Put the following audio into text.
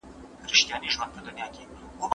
د نوې مطالعې په پایله کې پخوانۍ مفروضه رد سوه.